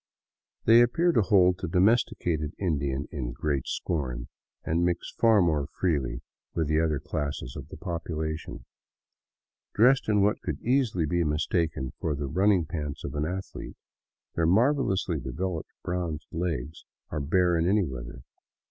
They ap VAGABONDING DOWN THE ANDES pear to hold the domesticated Indian in great scorn, and mix far more freely with the other classes of the population. Dressed in what could easily be mistaken for the running pants of an athlete, their marvelously developed bronzed legs are bare in any weather.